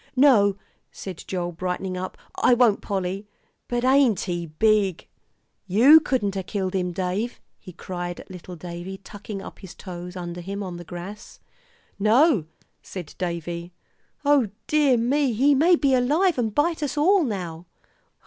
"No," said Joel, brightening up, "I won't, Polly. But ain't he big! You couldn't a killed him, Dave," he cried at little Davie tucking up his toes under him on the grass. "No," said Davie. "O dear me, he may be alive and bite us all now."